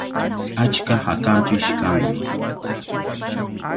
Achka hakanpish kanmi.